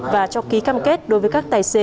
và cho ký cam kết đối với các tài xế